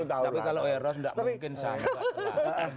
tapi kalau eros gak mungkin sambat